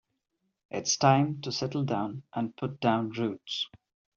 It's time to settle down and put down roots.